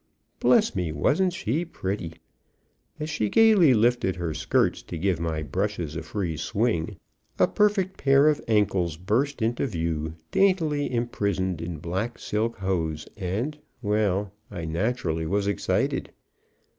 Bless me! wasn't she pretty! As she gaily lifted her skirts to give my brushes a free swing, a perfect pair of ankles burst into view, daintily imprisoned in black silk hose, and well, I naturally was excited.